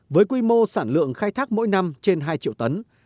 với quy mô sản lượng khai thác mỗi năm trên hai triệu tấn